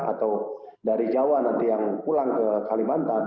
atau dari jawa nanti yang pulang ke kalimantan